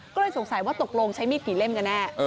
ก็เลยสงสัยว่าตกลงใช้มีดกี่เล่มกันแน่